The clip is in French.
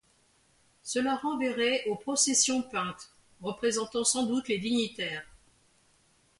Cela renverrait aux processions peintes, représentant sans doute les dignitaires.